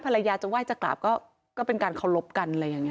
ภรรยาจะไหว้จะกราบก็เป็นการเคารพกันอะไรอย่างนี้